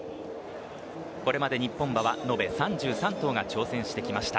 これまで日本馬は述べ３３頭が挑戦してきました。